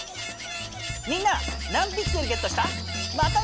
みんな何ピクセルゲットした？